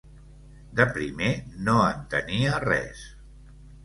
De primer no entenia res.